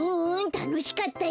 たのしかったよ。